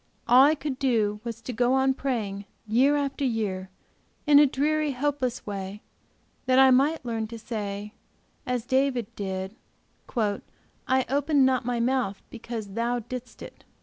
All I could do was to go on praying, year after year, in a dreary, hopeless way, that I might learn to say, as David did, 'I opened not my mouth because Thou didst it.'